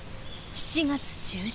７月中旬。